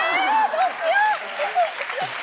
どうしよ。